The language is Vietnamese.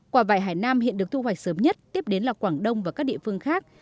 quả vải hải nam hiện được thu hoạch sớm nhất tiếp đến là quảng đông và các địa phương khác